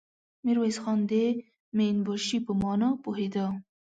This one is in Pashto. ميرويس خان د مين باشي په مانا پوهېده.